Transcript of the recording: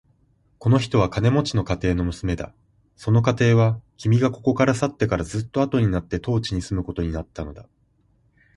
この人は金持の家庭の娘だ。その家庭は、君がここから去ってからずっとあとになって当地に住むことになったのだ。